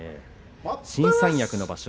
新三役の場所。